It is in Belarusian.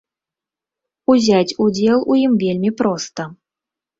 Узяць удзел у ім вельмі проста.